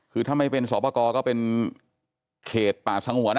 คือถ้าไม่เป็นสอบประกอบก็เป็นเขตป่าสงวนนะ